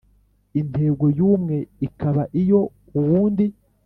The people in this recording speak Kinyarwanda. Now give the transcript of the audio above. Intego yumwe ikaba iyo uwundi